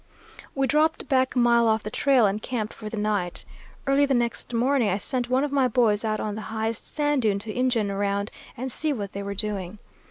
We dropped back a mile off the trail and camped for the night. Early the next morning I sent one of my boys out on the highest sand dune to Injun around and see what they were doing.